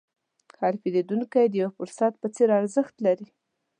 هر پیرودونکی د یو فرصت په څېر ارزښت لري.